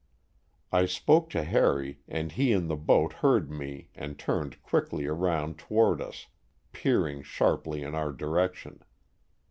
I spoke to Harry and he in the boat heard me and turned quickly around toward us, peer ing sharply in our direction.